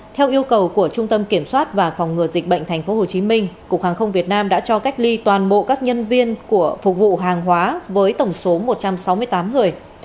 theo yêu cầu của trung tâm kiểm soát và phòng ngừa dịch bệnh tp hcm cục hàng không việt nam đã cho cách ly toàn bộ các nhân viên của phục vụ hàng hóa với tổng số một trăm sáu mươi tám người